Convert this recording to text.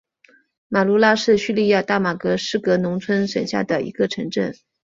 马卢拉是叙利亚大马士革农村省下的一个城镇。